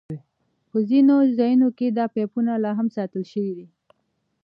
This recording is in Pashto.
په ځینو ځایونو کې دا پایپونه لاهم ساتل شوي دي.